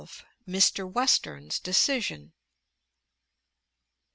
MR. WESTERN'S DECISION.